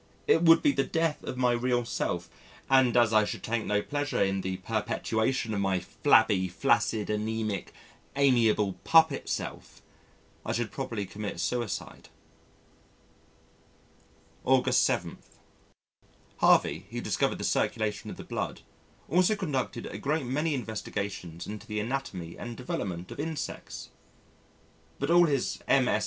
It would be the death of my real self and as I should take no pleasure in the perpetuation of my flabby, flaccid, anæmic, amiable puppet self, I should probably commit suicide. August 7. Harvey who discovered the circulation of the blood also conducted a great many investigations into the Anatomy and development of insects. But all his MSS.